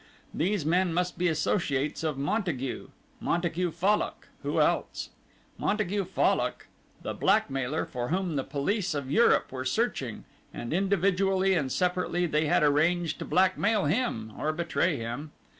These men must be associates of Montague Montague Fallock, who else? Montague Fallock, the blackmailer for whom the police of Europe were searching, and individually and separately they had arranged to blackmail him or betray him.